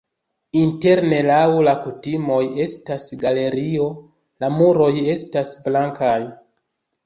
Interne laŭ la kutimoj estas galerio, la muroj estas blankaj.